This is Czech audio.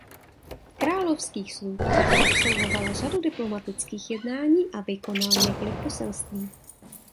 V králových službách absolvoval řadu diplomatických jednání a vykonal několik poselství.